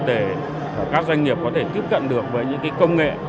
để các doanh nghiệp có thể tiếp cận được với những công nghệ